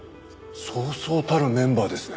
そうそうたるメンバーですね。